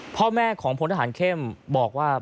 พ่อแม่ของพลทหารเข้มบอกว่า